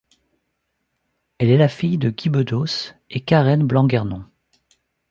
Elle est la fille de Guy Bedos et Karen Blanguernon.